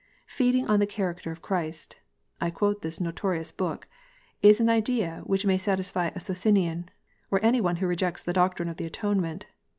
" Feeding on the character of Christ " (I quote this notorious book) is an idea which may satisfy a Socinian, or any one who rejects the doctrine of the atonement.